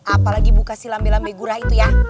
apalagi buka si lambe lambe gurah itu ya